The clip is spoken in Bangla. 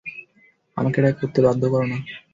আমাকে এটা করতে বাধ্য করো না!